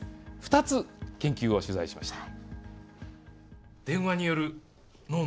２つ研究を取材しました。